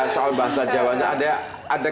soal bahasa jawa itu ada